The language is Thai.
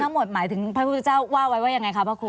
รวมทั้งหมดหมายถึงพระพุทธเจ้าว่าไว้ว่าอย่างไรคะพระครู